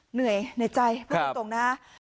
เหนื่อยในใจพูดตรงนะคะ